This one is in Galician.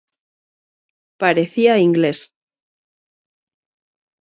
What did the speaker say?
parecía inglés.